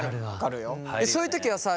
そういう時はさ